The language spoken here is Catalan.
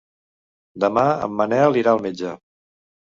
Demà en Manel irà al metge.